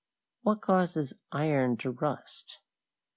What causes iron to rust?